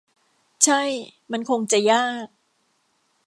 ใช่ มันคงจะยาก